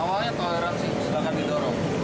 awalnya toleransi sedangkan didorong